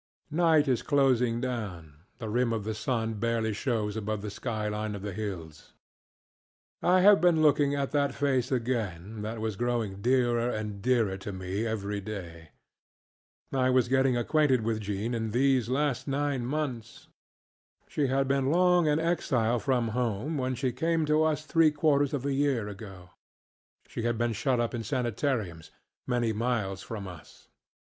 Night is closing down; the rim of the sun barely shows above the sky line of the hills. I have been looking at that face again that was growing dearer and dearer to me every day. I was getting acquainted with Jean in these last nine months. She had been long an exile from home when she came to us three quarters of a year ago. She had been shut up in sanitariums, many miles from us.